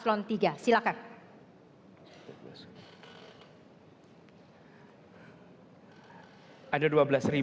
satu setengah menit dijawab terlebih dahulu oleh paslon iii